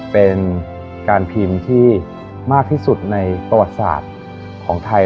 เป็นการพิมพ์ที่มากที่สุดในประวัติศาสตร์ของไทย